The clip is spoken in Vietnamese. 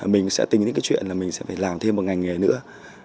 mình sẽ tính đến cái chuyện là mình sẽ phải làm thêm một ngành nghề nữa